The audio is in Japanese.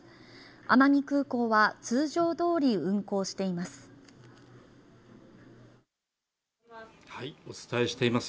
奄美空港は通常どおり運航しています